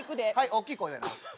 大っきい声でな。